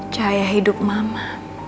jaya hidup mama